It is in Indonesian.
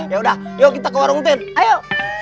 yaudah yuk kita ke warung tin ayo